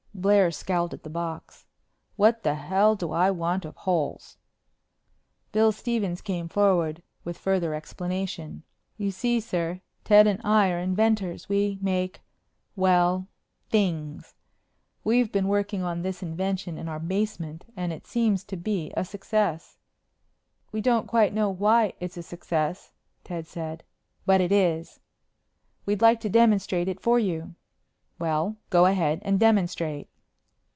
Blair scowled at the box. "What the hell do I want of holes?" Bill Stephens came forward with further explanation. "You see, sir, Ted and I are inventors. We make, well things. We've been working on this invention in our basement and it seems to be a success." "We don't quite know why it's a success," Ted said, "but it is." "We'd like to demonstrate it for you." "Well, go ahead and demonstrate."